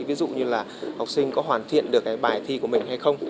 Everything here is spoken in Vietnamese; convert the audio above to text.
ví dụ như là học sinh có hoàn thiện được cái bài thi của mình hay không